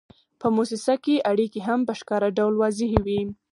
په موسسه کې اړیکې هم په ښکاره ډول واضحې وي.